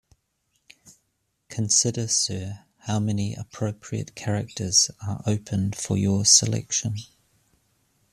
Consider, Sir, how many appropriate characters are open for your selection.